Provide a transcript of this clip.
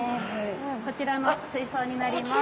こちらの水槽になります。